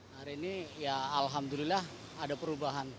hari ini ya alhamdulillah ada perubahan